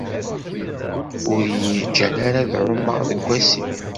Ur yi-ǧǧan ara ad ɛummeɣ deg asif.